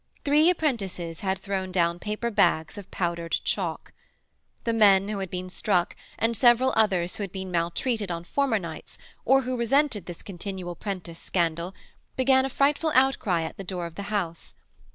Three apprentices had thrown down paper bags of powdered chalk. The men who had been struck, and several others who had been maltreated on former nights, or who resented this continual 'prentice scandal, began a frightful outcry at the door of the house.